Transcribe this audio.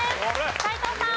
斎藤さん。